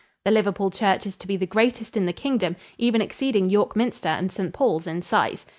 The Liverpool church is to be the greatest in the Kingdom, even exceeding York Minster and St. Paul's in size.